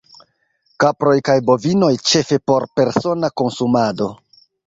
Kaproj kaj bovinoj ĉefe por persona konsumado.